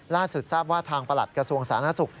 ล่าสุดทราบว่าทางประหลัดกระทรวงสาธารณสุข